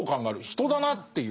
人だなっていう。